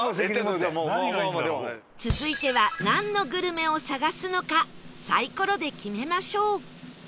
続いてはなんのグルメを探すのかサイコロで決めましょう